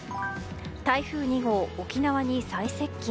台風２号、沖縄に最接近。